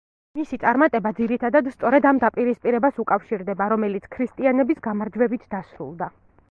მისი წარმატება ძირითადად სწორედ ამ დაპირისპირებას უკავშირდება, რომელიც ქრისტიანების გამარჯვებით დასრულდა.